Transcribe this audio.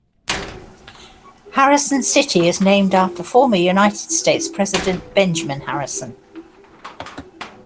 Harrison City is named after former United States President Benjamin Harrison.